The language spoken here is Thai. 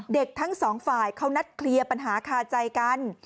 ทั้งสองฝ่ายเขานัดเคลียร์ปัญหาคาใจกัน